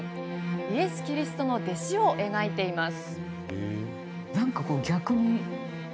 イエス・キリストの弟子を描いています。